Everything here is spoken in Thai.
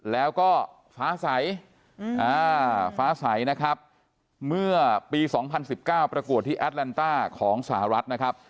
แล้วก็ฟ้าใสฟ้าใสนะครับเมื่อปี๒๐๑๙ประกวดที่แอดแลนต้าของสหรัฐนะครับ